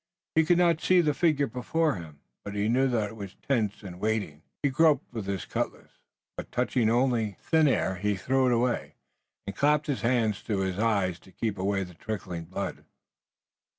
He could not see the figure before him, but he knew that it was tense and waiting. He groped with his cutlass, but touching only thin air he threw it away, and clapped his hands to his eyes to keep away the trickling blood.